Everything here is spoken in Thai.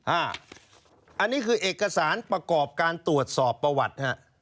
อันนี้คือเอกสารประกอบการตรวจสอบประวัติฮะ